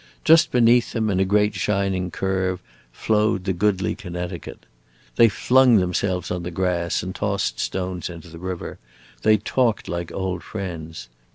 Just beneath them, in a great shining curve, flowed the goodly Connecticut. They flung themselves on the grass and tossed stones into the river; they talked like old friends.